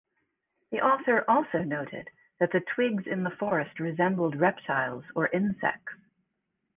The author also noted that the twigs in the forest resembled reptiles or insects.